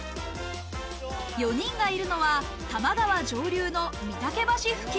４人がいるのは多摩川上流の御岳橋付近。